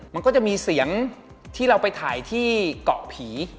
มันก็จะมีเสียงที่เราไปถ่ายที่เกาะผี